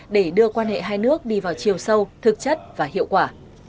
để đưa quan hệ hai nước đi vào chiều sâu thực chất và hiệu quả